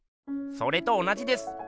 それと同じです。